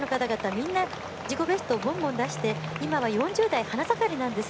みんな自己ベストをどんどん出して今は４０代、花盛りなんです。